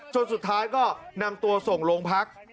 สุดท้ายก็นำตัวส่งโรงพัก